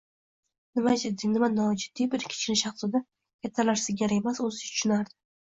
Nima jiddiy, nima nojiddiy — buni Kichkina shahzoda kattalar singari emas, o‘zicha tushunardi.